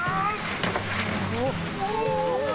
お！